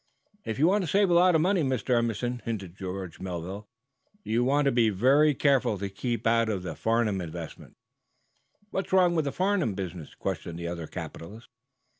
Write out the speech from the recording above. "If you want to save a lot of money, Mr. Emerson," hinted George Melville, "you want to be very careful to keep it out of the Farnum investment." "What's wrong with the Farnum business?" questioned the other capitalist.